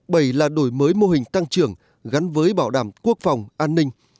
bảy là đổi mới mô hình tăng trưởng gắn với bảo đảm quốc phòng an ninh